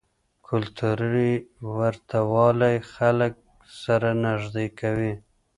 کلتوري ورته والی خلک سره نږدې کوي.